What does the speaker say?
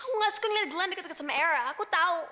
aku gak suka liat glenn deket deket sama erah aku tau